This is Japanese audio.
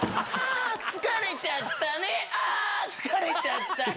あ疲れちゃったね！